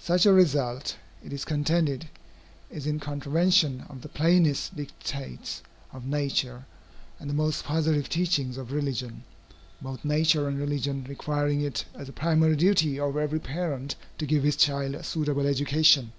Such a result, it is contended, is in contravention of the plainest dictates of nature and the most positive teachings of religion, both nature and religion requiring it as a primary duty of every parent to give his child a suitable education.